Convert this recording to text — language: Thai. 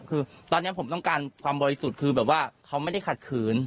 คือตอนนี้ผมต้องการความบริสุทธิ์คือแบบว่าเขาไม่ได้ขัดขืน